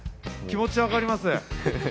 気持ち、わかります。